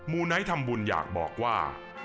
มูน้ายทำบุญอยากบอกว่า